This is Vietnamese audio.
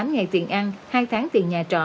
chín mươi tám ngày tiền ăn hai tháng tiền nhà trọ